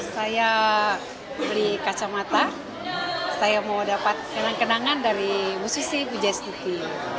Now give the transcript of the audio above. saya beli kacamata saya mau dapat kenang kenangan dari musisi pujastuti